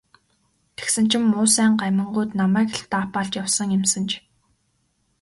Тэгсэн чинь муусайн гамингууд намайг л даапаалж явсан юм санж.